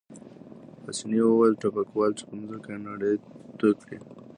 پاسیني وویل: ټوپکوال، پر مځکه يې ناړې تو کړې.